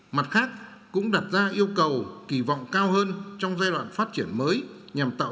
mặt khác cũng đặt ra yêu cầu kỳ vọng cao hơn trong giai đoạn phát triển mới